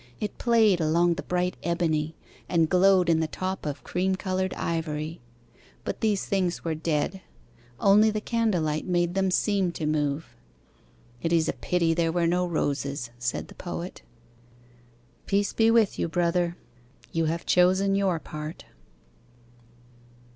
It played along the bright ebony, And glowed in the top of cream coloured ivory. But these things were dead, Only the candle light made them seem to move. "It is a pity there were no roses," said the Poet. Peace be with you, Brother. You have chosen your part.